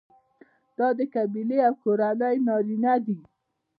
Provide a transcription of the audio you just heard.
دا د قبیلې او کورنۍ نارینه دي.